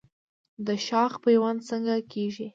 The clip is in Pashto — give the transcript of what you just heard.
د شاخ پیوند څنګه کیږي؟